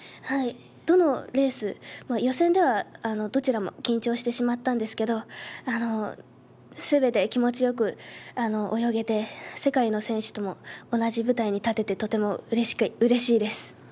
どのレースも、予選ではどちらも緊張してしまったんですけども、すべて気持ちよく泳げて、世界の選手とも同じ舞台に立てて、とてもうれしいです。